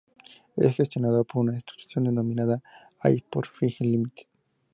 Es gestionado por una institución denominada Airports Fiji Limited.